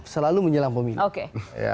selalu menyelam pemilih